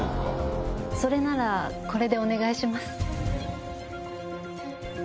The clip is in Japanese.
それならこれでお願いします。